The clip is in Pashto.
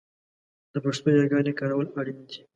د پښتو یاګانې کارول اړین دي